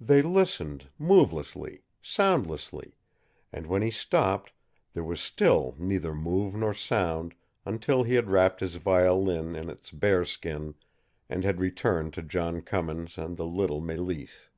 They listened, movelessly, soundlessly; and when he stopped there was still neither move nor sound until he had wrapped his violin in its bear skin and had returned to John Cummins and the little Mélisse.